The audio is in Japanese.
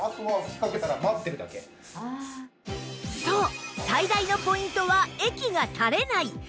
そう最大のポイントは液がたれない！